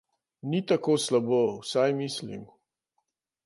Ni tako slabo, vsaj mislim.